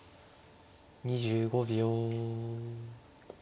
２５秒。